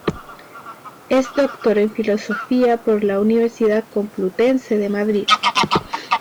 Es Doctor en Filosofía por la Universidad Complutense de Madrid.